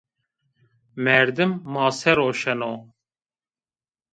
Merdim mase roşeno